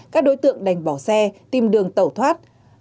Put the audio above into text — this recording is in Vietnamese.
các đối tượng đành bỏ xe tìm đường tẩu thoát